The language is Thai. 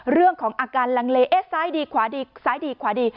เรื่องของอาการลังเลเอ๊ะซ้ายดีขวาดีซ้ายดีขวาดี